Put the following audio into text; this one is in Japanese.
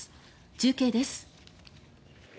中継です。